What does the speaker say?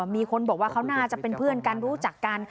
มีคนบอกว่าเขาน่าจะเป็นเพื่อนกันรู้จักกัน